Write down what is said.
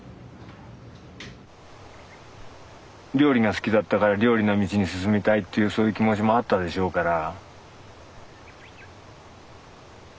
料理が好きだったから料理の道に進みたいっていうそういう気持ちもあったでしょうから。